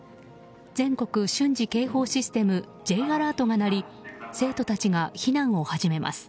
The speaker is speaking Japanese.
全国瞬時警報システムＪアラートが鳴り生徒たちが避難を始めます。